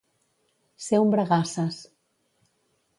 Ser un bragasses.